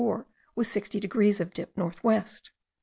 4 with 60 degrees of dip north west.